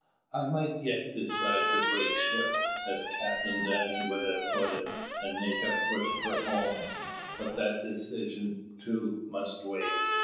I might yet decide to break ship as Captain Danny would have put it and make a push for home; but that decision, too, must wait.